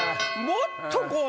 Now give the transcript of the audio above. もっとこう。